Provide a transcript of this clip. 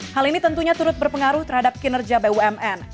hal ini tentunya turut berpengaruh terhadap kinerja bumn